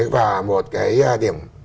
và một cái điểm